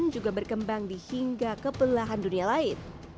juga berkembang di hingga kepelahan dunia lain